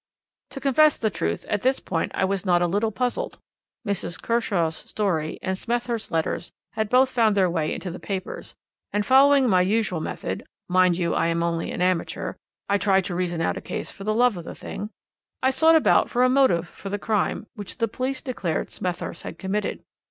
"To confess the truth, at this point I was not a little puzzled. Mrs. Kershaw's story and Smethurst's letters had both found their way into the papers, and following my usual method mind you, I am only an amateur, I try to reason out a case for the love of the thing I sought about for a motive for the crime, which the police declared Smethurst had committed.